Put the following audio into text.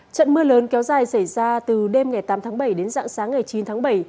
trận mưa lớn kéo dài xảy ra từ đêm ngày tám tháng bảy đến dạng sáng ngày chín tháng bảy